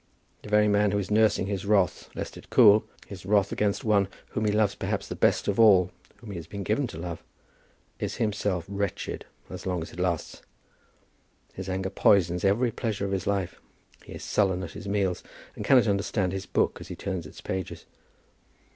The very man who is nursing his wrath, lest it cool, his wrath against one whom he loves perhaps the best of all whom it has been given him to love, is himself wretched as long as it lasts. His anger poisons every pleasure of his life. He is sullen at his meals, and cannot understand his book as he turns its pages.